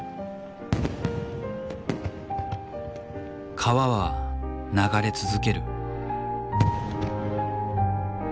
川は流れ続ける。